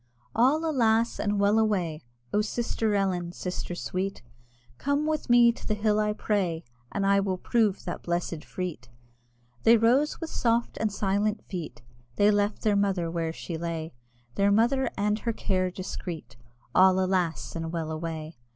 All, alas! and well away! "Oh, sister Ellen, sister sweet, Come with me to the hill I pray, And I will prove that blessed freet!" They rose with soft and silent feet, They left their mother where she lay, Their mother and her care discreet, (All, alas! and well away!)